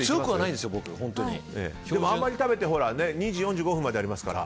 でもあんまり食べても２時４５分までありますから。